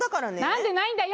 なんでないんだよ！